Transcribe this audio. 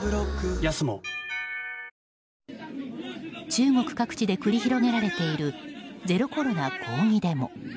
中国各地で繰り広げられているゼロコロナ抗議デモ。